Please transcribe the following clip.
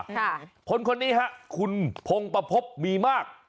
ค่ะคนคนนี้ฮะคุณพองปภพมีมาก